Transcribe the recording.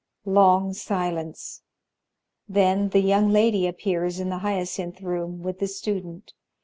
Long silence. Then the Young Lady appears in ike Hyacinth Room with the Student.